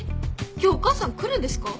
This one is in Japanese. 今日お母さん来るんですか？